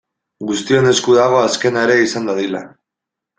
Guztion esku dago azkena ere izan dadila.